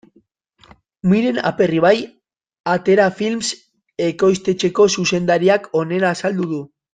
Miren Aperribai Atera Films ekoiztetxeko zuzendariak honela azaldu du.